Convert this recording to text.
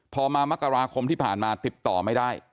พอมามกราคมที่ผ่านมาติดต่อไม่ได้